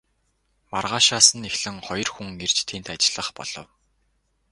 Маргаашаас нь эхлэн хоёр хүн ирж тэнд ажиллах болов.